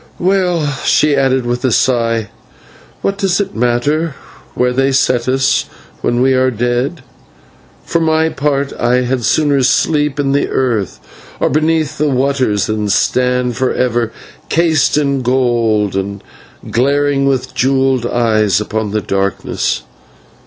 Well," she added, with a sigh, "what does it matter where they set us when we are dead? For my part I had sooner sleep in the earth, or beneath the waters, than stand for ever cased in gold and glaring with jewelled eyes upon the darkness.